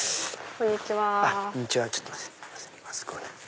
こんにちは。